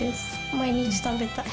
毎日食べたい。